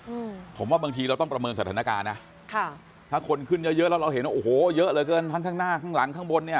อืมผมว่าบางทีเราต้องประเมินสถานการณ์นะค่ะถ้าคนขึ้นเยอะเยอะแล้วเราเห็นว่าโอ้โหเยอะเหลือเกินทั้งข้างหน้าข้างหลังข้างบนเนี้ย